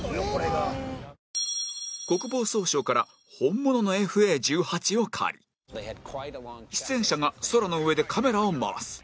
国防総省から本物の Ｆ／Ａ−１８ を借り出演者が空の上でカメラを回す